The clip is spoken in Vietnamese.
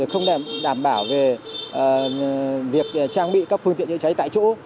không đảm bảo về việc trang bị các phương tiện chữa cháy tại chỗ